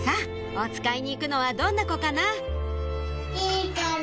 おつかいに行くのはどんな子かな？